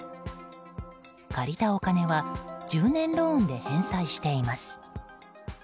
借りたお金は１０年ローンで返済しています。